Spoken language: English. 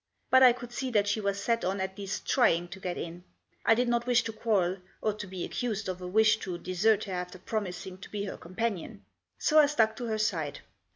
But I could see that she was set on at least trying to get in. I did not wish to quarrel, or to be accused of a wish to desert her after promising to be her companion. So I stuck to her side.